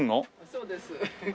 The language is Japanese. そうです。